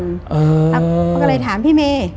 เพราะก็เลยถามพี่เม